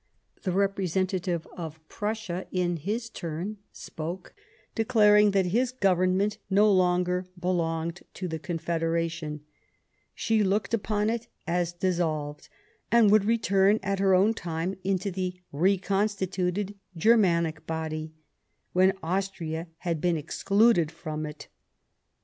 The representative of Prussia, in his turn, spoke, declaring that his Government no longer belonged to the Confederation ; she looked upon it as dissolved, and would return at her own time into the reconstituted Germanic body, when Austria had been excluded from it.